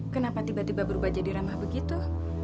kenapa tiba tiba berubah jadi ramah begitu